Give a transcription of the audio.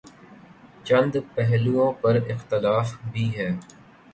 چند پہلوئوں پر اختلاف بھی ہے۔